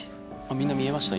みんな見えました？